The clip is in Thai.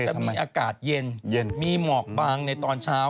จะมีอากาศเย็นมีหมอกบางในตอนเช้า